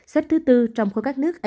xếp thứ bốn trong khối các nước asean